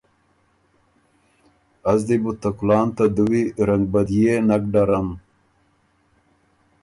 از دی بُو ته کُلان ته دُوی رنګبديے نک ډرم۔